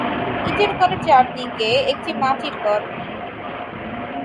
ইটের গড়ের চারিদিকে একটি মাটির গড়।